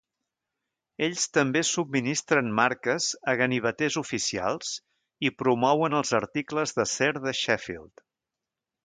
Ells també subministren marques a ganiveters oficials i promouen els articles d"acer de Sheffield.